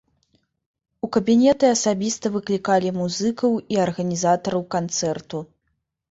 У кабінеты асабіста выклікалі музыкаў і арганізатараў канцэрту.